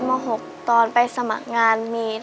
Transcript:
ที่ได้เงินเพื่อจะเก็บเงินมาสร้างบ้านให้ดีกว่า